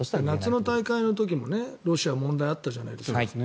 夏の大会の時もロシアは問題があったじゃないですか。